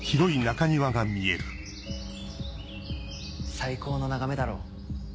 最高の眺めだろ？